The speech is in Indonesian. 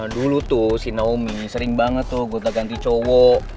dulu tuh si naomi sering banget tuh gonta ganti cowok